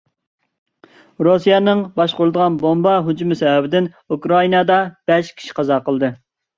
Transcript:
رۇسىيەنىڭ باشقۇرۇلىدىغان بومبا ھۇجۇمى سەۋەبىدىن ئۇكرائىنادا بەش كىشى قازا قىلدى.